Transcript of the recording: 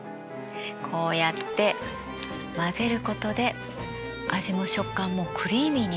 こうやって混ぜることで味も食感もクリーミーになるんです。